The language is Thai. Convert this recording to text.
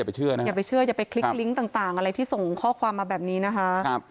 อย่าเชื่อนะอย่าไปเชื่ออย่าไปคลิกลิงก์ต่างอะไรที่ส่งข้อความมาแบบนี้นะคะ